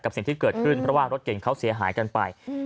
สิ่งที่เกิดขึ้นเพราะว่ารถเก่งเขาเสียหายกันไป